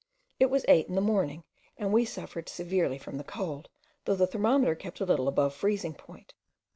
It was eight in the morning, and we suffered severely from the cold, though the thermometer kept a little above freezing point.